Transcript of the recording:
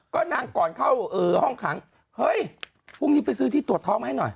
ก็นั่งก่อนเข้าห้องขังเฮ้ยพรุ่งนี้ไปซื้อที่ตรวจท้องมาให้หน่อย